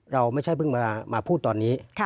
เราไม่ใช่เพิ่งมาพูดตอนนี้